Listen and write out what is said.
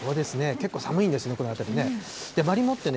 結構、寒いんですね、この辺りね。